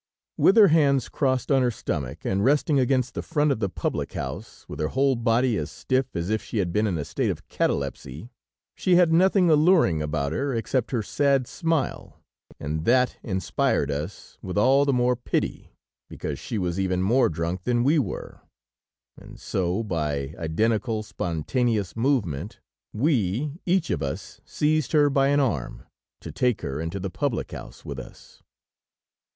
With her hands crossed on her stomach, and resting against the front of the public house, with her whole body as stiff as if she had been in a state of catalepsy, she had nothing alluring about her, except her sad smile, and that inspired us with all the more pity because she was even more drunk than we were, and so, by identical, spontaneous movement, we each of us seized her by an arm, to take her into the public house with us.